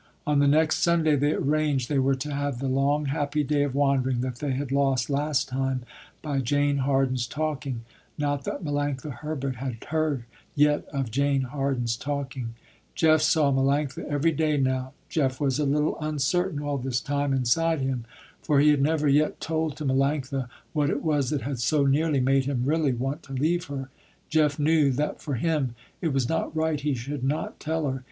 On the next Sunday they arranged, they were to have the long happy day of wandering that they had lost last time by Jane Harden's talking. Not that Melanctha Herbert had heard yet of Jane Harden's talking. Jeff saw Melanctha every day now. Jeff was a little uncertain all this time inside him, for he had never yet told to Melanctha what it was that had so nearly made him really want to leave her. Jeff knew that for him, it was not right he should not tell her.